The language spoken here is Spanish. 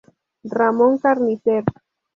Ramón Carnicer